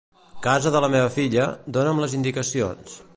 Casa de la meva filla, dona'm les indicacions.